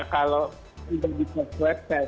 kalau bisa kalau tidak bisa